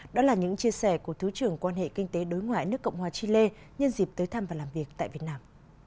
đó là những chia sẻ của thứ trưởng quan hệ kinh tế đối ngoại nước cộng hòa chile nhân dịp tới thăm và làm việc tại việt nam